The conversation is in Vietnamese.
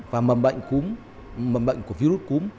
và mầm bệnh của virus cúm